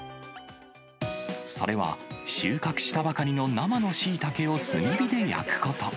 それは収穫したばかりの生のシイタケを炭火で焼くこと。